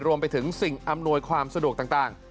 รวมไปถึงสิ่งอำนวยความสะดวกต่าง